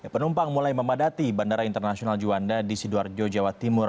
penumpang mulai memadati bandara internasional juanda di sidoarjo jawa timur